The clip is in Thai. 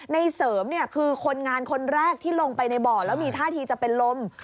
ในเสริมเนี่ยคือคนงานคนแรกที่ลงไปในบ่อแล้วมีท่าทีจะเป็นลม